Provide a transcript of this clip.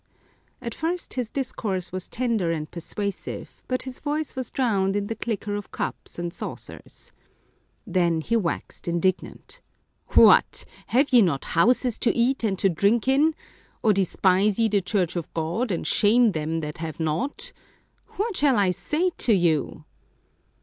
At first his discourse was tender and persuasive, but his voice was drowned in the clicker of cups and saucers. Then he waxed indignant. " What ! have ye not houses to eat and to drink in ? or despise ye the church of God, and shame them that have not ? What shall I say to you